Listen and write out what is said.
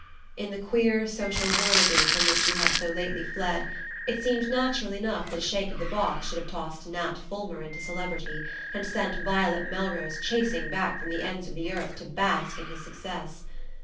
In the queer social whirligig from which she had so lately fled, it seemed natural enough that a shake of the box should have tossed Nat Fulmer into celebrity, and sent Violet Melrose chasing back from the ends of the earth to bask in his success.